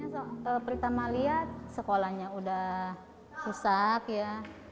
sebenarnya perintah malia sekolahnya sudah rusak ya